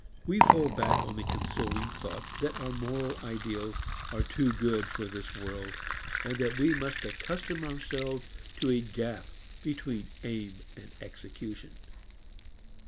We fall back on the consoling thought that our moral ideals are too good for this world and that we must accustom ourselves to a gap between aim and execution.